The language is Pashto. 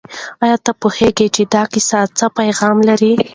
آیا ته پوهېږې چې دا کیسه څه پیغام لري؟